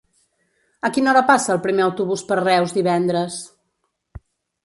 A quina hora passa el primer autobús per Reus divendres?